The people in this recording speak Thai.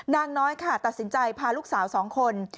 นางน้อยค่ะตัดสินใจพาลูกสาว๒คน